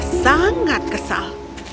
raja sangat kesal